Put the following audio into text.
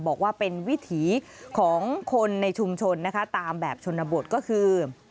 บอกว่าเป็นวิถีของคนในชุมชนนะคะตามแบบชนบทก็คือ